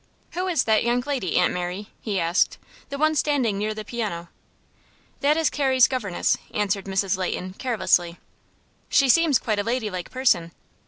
"Who is that young lady, Aunt Mary?" he asked. "The one standing near the piano." "That is Carrie's governess," answered Mrs. Leighton, carelessly. "She seems quite a ladylike person."